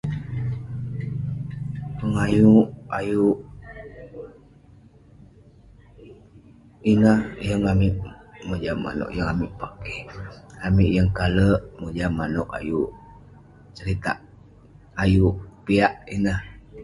Pogah yeng ayuk ineh yeng amik mojam manuek yeh amik pake amik yeng kalek mojam manouk ayuk seritak ayuk piak ineh.